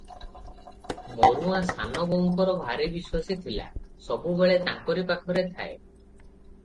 ମରୁଆ ସାନ ବୋହୂଙ୍କର ଭାରି ବିଶ୍ୱାସୀ ଥିଲା, ସବୁବେଳେ ତାଙ୍କରି ପାଖରେ ଥାଏ ।